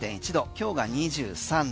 今日が２３度。